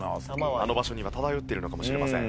あの場所には漂っているのかもしれません。